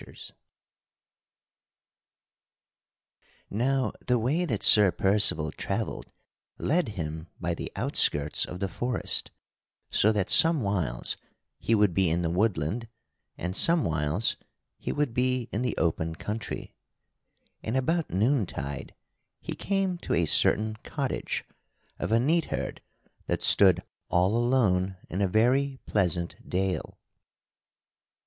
[Sidenote: Sir Percival breaks his fast at a forest cottage] Now the way that Sir Percival travelled led him by the outskirts of the forest, so that somewhiles he would be in the woodland and somewhiles he would be in the open country. And about noontide he came to a certain cottage of a neatherd that stood all alone in a very pleasant dale.